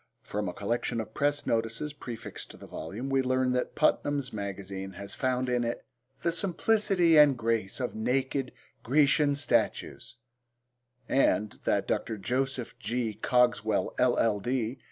From a collection of press notices prefixed to the volume we learn that Putnam's Magazine has found in it 'the simplicity and grace of naked Grecian statues,' and that Dr. Jos. G. Cogswell, LL.D.